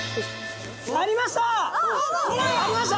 ありました！